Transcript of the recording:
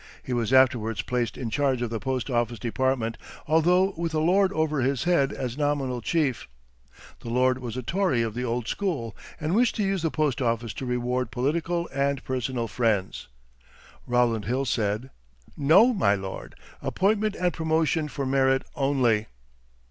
He was afterwards placed in charge of the post office department, although with a lord over his head as nominal chief. This lord was a Tory of the old school, and wished to use the post office to reward political and personal friends. Rowland Hill said: "No, my lord; appointment and promotion for merit only."